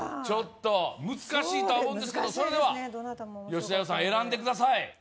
ちょっと難しいとは思うんですけどそれでは吉田羊さん選んでください